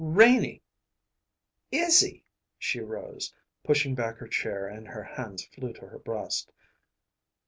"Renie!" "Izzy!" She rose, pushing back her chair, and her hand flew to her breast.